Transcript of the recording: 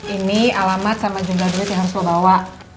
ini alamat sama jumlah duit yang harus lo bawa